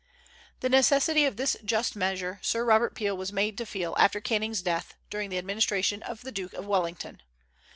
The necessity of this just measure Sir Robert Peel was made to feel after Canning's death, during the administration of the Duke of Wellington.